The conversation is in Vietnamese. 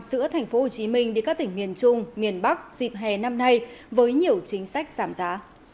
giữa tp hcm đi các tỉnh miền trung miền bắc dịp hè năm nay với nhiều chính sách giảm giá